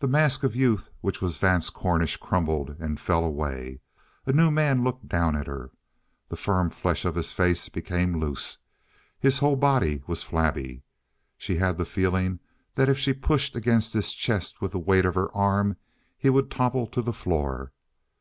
The mask of youth which was Vance Cornish crumbled and fell away. A new man looked down at her. The firm flesh of his face became loose. His whole body was flabby. She had the feeling that if she pushed against his chest with the weight of her arm, he would topple to the floor.